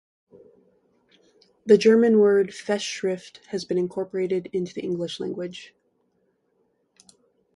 The German word "Festschrift" has been incorporated into the English language.